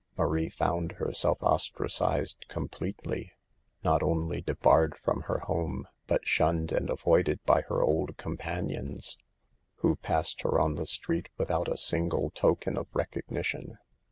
Marie found herself ostracised com pletely, not only debarred from her home, but shunned and avoided by her old companions, who passed her on the street without a single token of recognition.